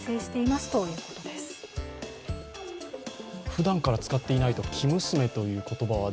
ふだんから使っていないと、生娘という言葉は